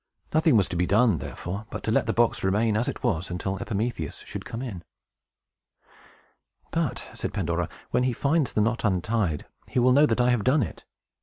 Nothing was to be done, therefore, but to let the box remain as it was until Epimetheus should come in. "But," said Pandora, "when he finds the knot untied, he will know that I have done it.